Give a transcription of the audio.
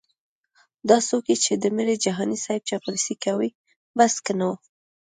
دا څوک یې چې دمره د جهانې صیب چاپلوسې کوي بس که نو